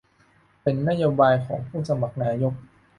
เป็นนโยบายของผู้สมัครนายก